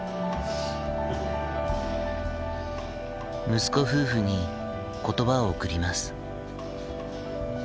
息子夫婦に言葉を贈ります。